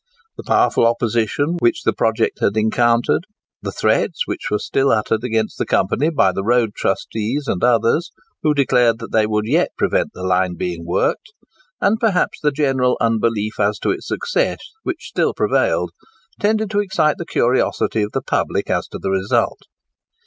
The powerful opposition which the project had encountered, the threats which were still uttered against the company by the road trustees and others, who declared that they would yet prevent the line being worked, and perhaps the general unbelief as to its success which still prevailed, tended to excite the curiosity of the public as to the result.